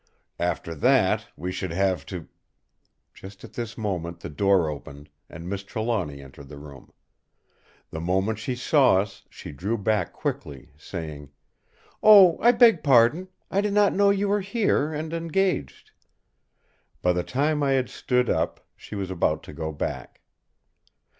After that we should have to—" Just at this moment the door opened and Miss Trelawny entered the room. The moment she saw us she drew back quickly, saying: "Oh, I beg pardon! I did not know you were here, and engaged." By the time I had stood up, she was about to go back.